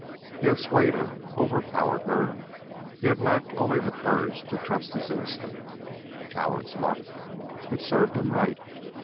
He had swayed her, overpowered her; he had lacked only the courage to trust his instinct. Coward's luck! It served him right.